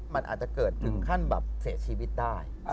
มันอาจจะเกิดถึงขั้นแบบเสียชีวิตได้